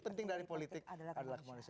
penting dari politik adalah kemanusiaan